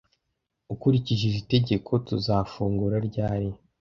Ukurikije iri tegeko tuzafungura ryari